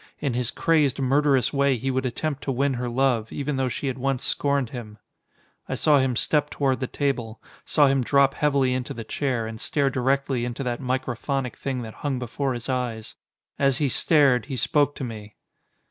In his crazed, murderous way he would attempt to win her love, even though she had once scorned him. I saw him step toward the table. Saw him drop heavily into the chair, and stare directly into that microphonic thing that hung before his eyes. As he stared, he spoke to me.